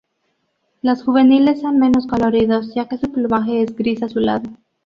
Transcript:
Los juveniles son menos coloridos ya que su plumaje es gris azulado.